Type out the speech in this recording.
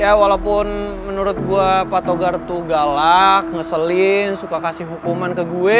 ya walaupun menurut gue pak togar itu galak ngeselin suka kasih hukuman